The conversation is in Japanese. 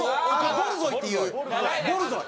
ボルゾイっていうボルゾイ。